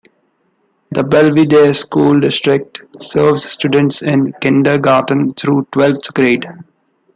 The Belvidere School District serves students in Kindergarten through twelfth grade.